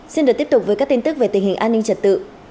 xin được tiếp tục với các tin tức về tình hình an ninh trật tự